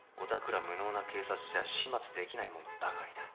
ら無能な警察じゃ始末できないものばかりだ